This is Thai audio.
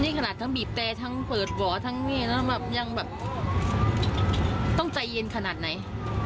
นี่ขนาดทั้งบีบแต่ทั้งเปิดหวอทั้งนี่แล้วแบบยังแบบต้องใจเย็นขนาดไหน